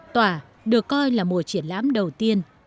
tỏa được coi là mùa triển lãm đầu tiên